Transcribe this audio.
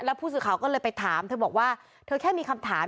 ผู้สื่อข่าวก็เลยไปถามเธอบอกว่าเธอแค่มีคำถาม